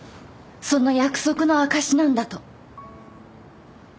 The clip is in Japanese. その約束の証しなんだと。